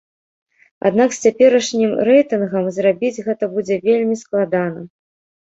Аднак з цяперашнім рэйтынгам зрабіць гэта будзе вельмі складана.